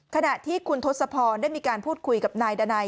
ขณะที่คุณทศพรได้มีการพูดคุยกับนายดานัย